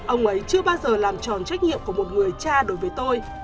ông ấy chưa bao giờ làm tròn trách nhiệm của một người cha đối với tôi